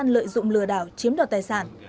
lợi dụng lừa đảo chiếm đoạt tài sản